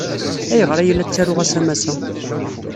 Ayɣer ay la ttaruɣ asamas-a?